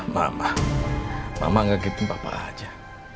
mama mama enggak gituin papa aja